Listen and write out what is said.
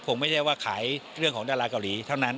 คงไม่ใช่ว่าขายเรื่องของดาราเกาหลีเท่านั้น